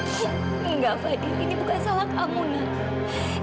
enggak fedy ini bukan salah kamu nak